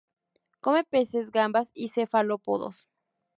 Come peces, gambas y cefalópodos.